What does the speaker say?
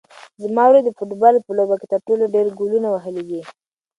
زما ورور د فوټبال په لوبه کې تر ټولو ډېر ګولونه وهلي دي.